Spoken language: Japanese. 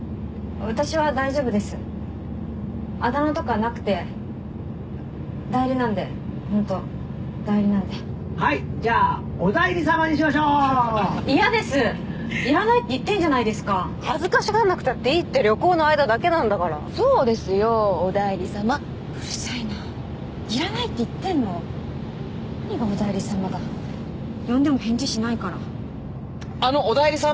私は大丈夫ですあだ名とかなくて代理なんで本当代理なんではいじゃあ「おだいり様」にしましょう嫌ですいらないって言ってんじゃないですか恥ずかしがんなくたっていいって旅行の間だけなんだからそうですよおだいり様うるさいないらないって言ってんの何が「おだいり様」だ呼んでも返事しないからあのおだいり様？